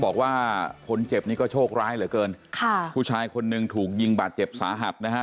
บอกว่าคนเจ็บนี้ก็โชคร้ายเหลือเกินค่ะผู้ชายคนหนึ่งถูกยิงบาดเจ็บสาหัสนะฮะ